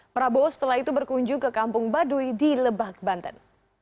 prabowo setelah itu berkunjung ke kampung baduy di lebak banten